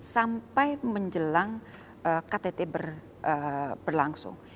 sampai menjelang ktt berlangsung